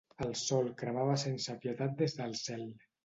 El sol cremava sense pietat des del cel.